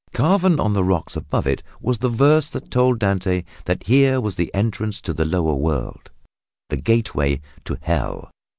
Carven on the rock above it was a verse that told Dante that here was the entrance to the lower world, the gateway to Hell.